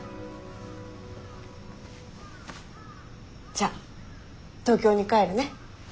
じゃあ東京に帰るね。